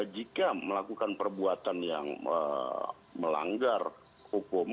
jika melakukan perbuatan yang melanggar hukum